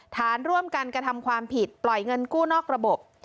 ฐานร่วมกันกระทำความผิดปล่อยเงินกู้นอกระบบ